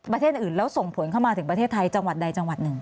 ประเทศอื่นแล้วส่งผลเข้ามาถึงประเทศไทยจังหวัดใดจังหวัดหนึ่ง